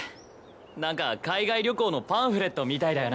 何か海外旅行のパンフレットみたいだよな。